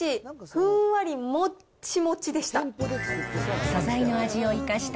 ふんわりもっちもちでした。